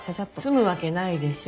済むわけないでしょ。